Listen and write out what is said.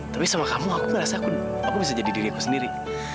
tapi sama kamu aku gak rasa aku bisa jadi diriku sendiri